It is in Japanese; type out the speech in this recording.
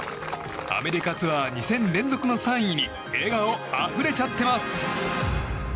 アメリカツアー２戦連続の３位に笑顔あふれちゃってます！